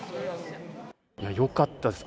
よかったです。